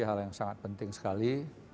hal yang sangat penting sekali